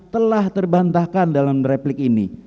telah terbantahkan dalam replik ini